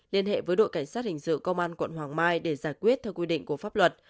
liên hệ với đội cảnh sát hình sự công an quận hoàng mai để giải quyết theo quy định của pháp luật